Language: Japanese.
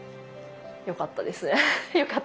よかったですね。